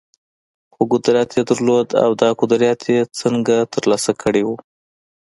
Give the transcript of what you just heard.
خو قدرت يې درلود او دا قدرت يې څنګه ترلاسه کړی و؟